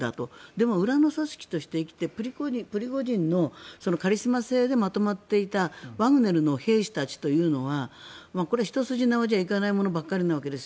でも、裏の組織としてプリゴジンのカリスマ性でまとまっていたワグネルの兵士たちというのはこれ、一筋縄じゃ行かないものばかりなんです。